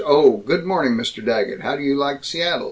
Oh, good morning, Mr. Daggett, how do you like Seattle?